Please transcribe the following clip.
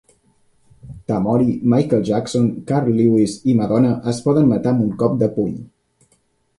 Tamori, Michael Jackson, Carl Lewis i Madonna es poden matar amb un cop de puny.